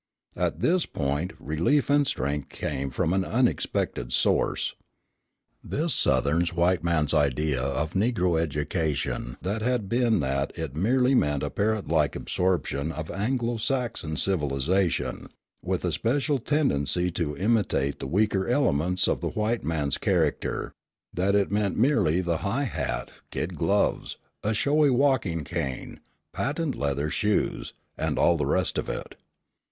At this point relief and strength came from an unexpected source. This Southern white man's idea of Negro education had been that it merely meant a parrot like absorption of Anglo Saxon civilisation, with a special tendency to imitate the weaker elements of the white man's character; that it meant merely the high hat, kid gloves, a showy walking cane, patent leather shoes, and all the rest of it.